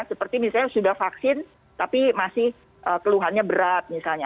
seperti misalnya sudah vaksin tapi masih keluhannya berat misalnya